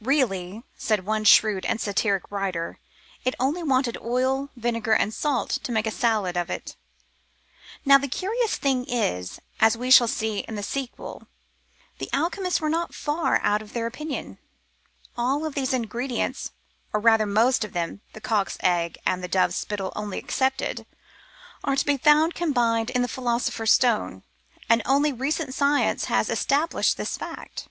Really, said one shrewd and satiric writer, it only wanted oil, vinegar, and salt, to make of it a salad. Now the curious thing is — as we shall see in the sequel — the alchemists were not far out in their opinion. All these ingredients, or rather most of them — the cock's egg and the dove's spittle only excepted — are to be found combined in the Philo sopher's Stone, and only recent science has established this fact.